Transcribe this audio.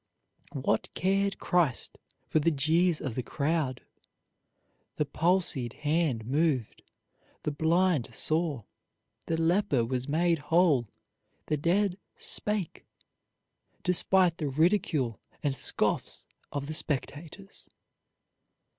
What cared Christ for the jeers of the crowd? The palsied hand moved, the blind saw, the leper was made whole, the dead spake, despite the ridicule and scoffs of the spectators.